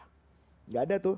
tidak ada itu